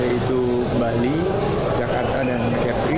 yaitu bali jakarta dan kepri